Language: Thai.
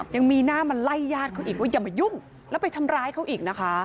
ยังมีหน้ามาไล่ญาติเขาอีกว่าอย่ามายุ่งแล้วไปทำร้ายเขาอีกนะคะ